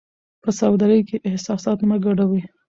په سوداګرۍ کې احساسات مه ګډوئ.